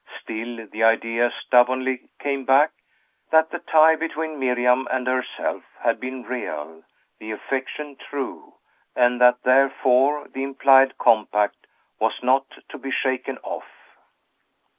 Still, the idea stubbornly came back, that the tie between Miriam and herself had been real, the affection true, and that therefore the implied compact was not to be shaken off.